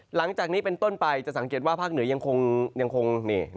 หลังจากนี้เป็นต้นไปจะสังเกตว่าภาคเหนือยังคง